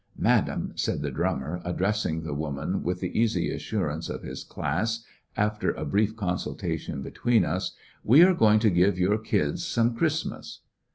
"Madam," said the drummer, addressing the woman with the easy assurance of his class, after a brief consultation between us, "we are going to give your kids some Christmas."